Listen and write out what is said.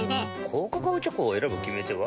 高カカオチョコを選ぶ決め手は？